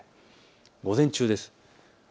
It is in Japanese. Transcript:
午前中です。